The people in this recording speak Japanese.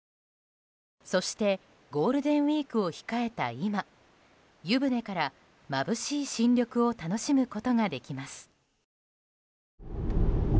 そして、ゴールデンウィークを控えた今湯船からまぶしい新緑を楽しむことができます。